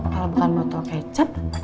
kalo bukan botol kecap